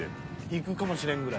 行くかもしれんぐらい？